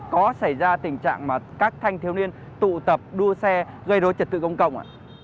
có xảy ra tình trạng các thanh thiếu niên tụ tập đua xe gây rối trật tự công cộng